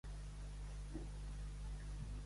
Parlar-li cul i tot.